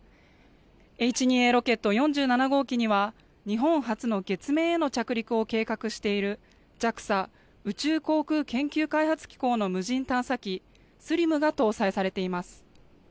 Ｈ２Ａロケット４７号機には、日本初の月面への着陸を計画している、ＪＡＸＡ・宇宙航空研究開発機構の無人探査機ＳＬＩＭが搭載されています。